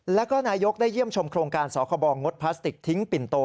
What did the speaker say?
แล้วก็นายกได้เยี่ยมชมโครงการสคบงดพลาสติกทิ้งปิ่นโต